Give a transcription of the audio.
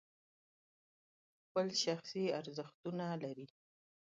خپل شخصي ارزښتونه لري.